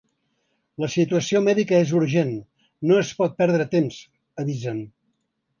La situació mèdica és urgent, no es pot perdre temps, avisen.